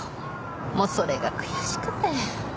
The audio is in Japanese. もうそれが悔しくて。